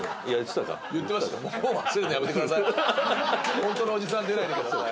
本当のおじさん出ないでください。